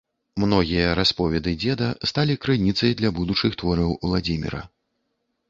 Многія расповеды дзеда сталі крыніцай для будучых твораў Уладзіміра